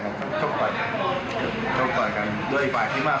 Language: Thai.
พูดหา๒คนก็รับสามารถ